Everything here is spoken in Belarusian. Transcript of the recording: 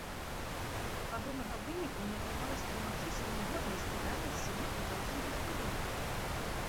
Падобнага выніку не атрымалася дамагчыся ніводнай з кідальніц свету за ўсю гісторыю.